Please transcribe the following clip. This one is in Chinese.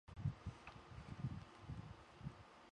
提供的服务包括话音。